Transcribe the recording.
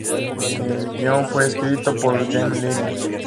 El guion fue escrito por Jamie Linden.